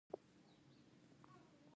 د مرکه کولو وخت وړیا نه دی.